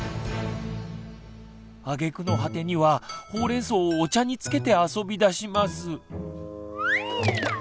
あげくの果てにはほうれんそうをお茶につけて遊びだします。